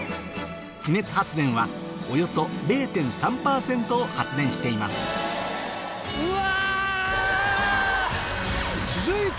地熱発電はおよそ０．３％を発電していますうわ！